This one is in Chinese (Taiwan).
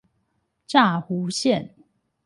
柵湖線